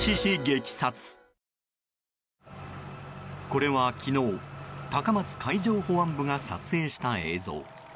これは昨日高松海上保安部が撮影した映像。